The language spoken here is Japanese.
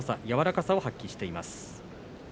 柔らかさを発揮しています。